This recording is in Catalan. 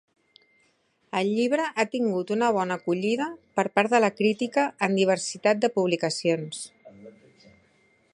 El llibre ha tingut una bona acollida per part de la crítica en diversitat de publicacions.